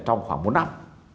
trong khoảng bốn năm